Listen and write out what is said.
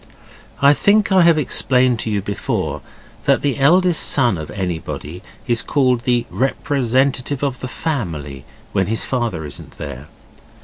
I think I have explained to you before that the eldest son of anybody is called the representative of the family if his father isn't there.